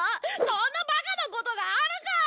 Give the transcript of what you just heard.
そんなバカなことがあるか！